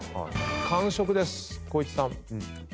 完食です光一さん。